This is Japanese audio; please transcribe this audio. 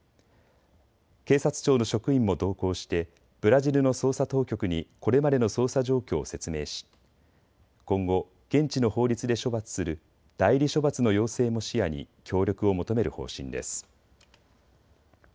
警察庁の職員も同行してブラジルの捜査当局にこれまでの捜査状況を説明し今後、現地の法律で処罰する代理処罰の要請も視野に協力を求める方針です。